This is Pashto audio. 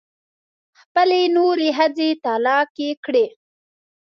خپلې نورې ښځې طلاقې کړې.